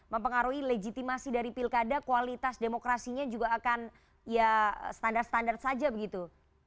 mempengaruhi legitimasi dari pilkada kualitas demokrasinya juga akan ya standar standar saja begitu